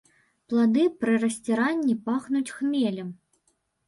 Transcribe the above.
Плады пры расціранні пахнуць хмелем.